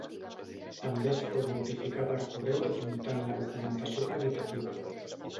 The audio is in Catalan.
També es pot notificar per correu adjuntant la documentació acreditativa.